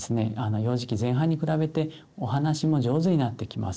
幼児期前半に比べてお話も上手になってきます。